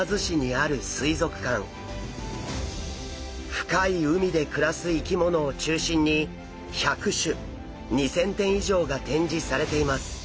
深い海で暮らす生き物を中心に１００種２，０００点以上が展示されています。